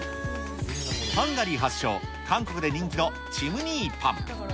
ハンガリー発祥、韓国で人気のチムニーパン。